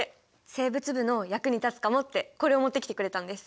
生物部の役に立つかもってこれをもってきてくれたんです。